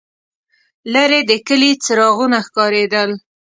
لرې د کلي څراغونه ښکارېدل.